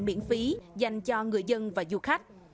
miễn phí dành cho người dân và du khách